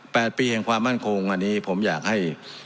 แปดปีแห่งความมั่นคงอันนี้ผมอยากให้